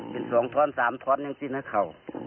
อยู่๒๓ท็อตครรภ์อย่างเดียวนะเขา